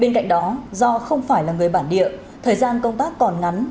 bên cạnh đó do không phải là người bản địa thời gian công tác còn ngắn